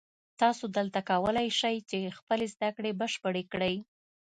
دلته تاسو کولای شئ چې خپلې زده کړې بشپړې کړئ